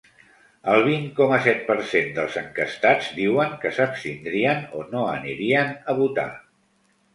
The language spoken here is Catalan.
El vint coma set per cent dels enquestats diuen que s’abstindrien o no anirien a votar.